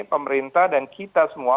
pemerintah dan kita semua